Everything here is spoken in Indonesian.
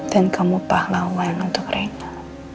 dan kamu pahlawan untuk rina